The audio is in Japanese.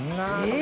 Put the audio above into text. え？